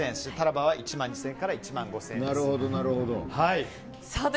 タラバは１万２０００から１万５０００です。